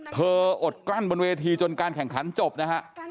อดกลั้นบนเวทีจนการแข่งขันจบนะฮะ